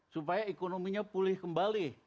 supaya ekonominya pulih kembali